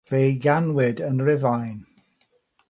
Fe'i ganwyd yn Rhufain.